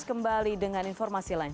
kembali dengan informasi lain